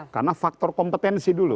karena faktor kompetensi dulu